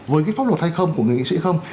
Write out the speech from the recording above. với cái pháp luật hay không của người nghị sĩ không